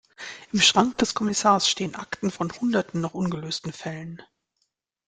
Im Schrank des Kommissars stehen Akten von hunderten noch ungelösten Fällen.